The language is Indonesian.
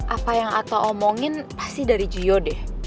apa yang ato omongin pasti dari gio deh